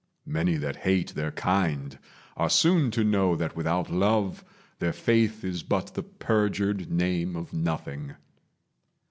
Many that hate Their kind are soon to know that without love Their faith is but the perjured name of nothing.